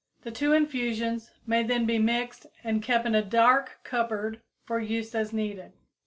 The two infusions may then be mixed and kept in a dark cupboard for use as needed.